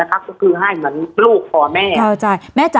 ก็คือให้เหมือนลูกพอแม่